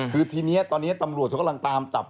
คือทีนี้ตอนนี้ตำรวจกำลังตามตับตัวแล้วนะครับ